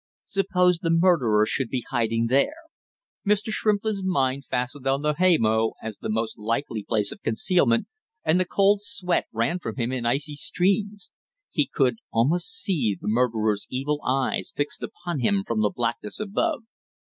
Suppose the murderer should be hiding there! Mr. Shrimplin's mind fastened on the hay mow as the most likely place of concealment, and the cold sweat ran from him in icy streams; he could, almost see the murderer's evil eyes fixed upon him from the blackness above.